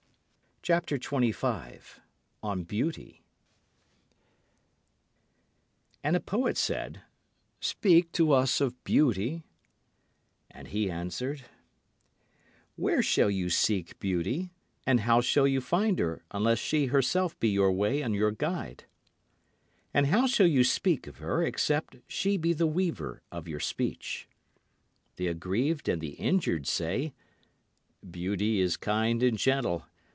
And a poet said, Speak to us of Beauty. And he answered: Where shall you seek beauty, and how shall you find her unless she herself be your way and your guide? And how shall you speak of her except she be the weaver of your speech? The aggrieved and the injured say, "Beauty is kind and gentle.